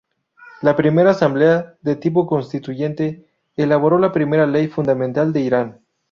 La primera asamblea, de tipo constituyente, elaboró la primera ley fundamental de Irán.